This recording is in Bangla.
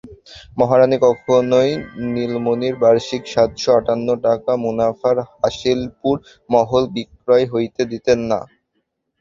মহারানী কখনোই নীলমণির বার্ষিক সাতশো আটান্ন টাকা মুনাফার হাসিলপুর মহল বিক্রয় হইতে দিতেন না।